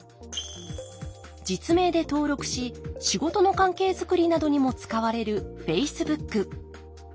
実名で登録し仕事の関係づくりなどにも使われるｆａｃｅｂｏｏｋ。